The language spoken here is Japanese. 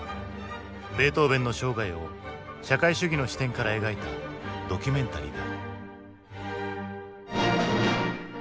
ベートーヴェンの生涯を社会主義の視点から描いたドキュメンタリーだ。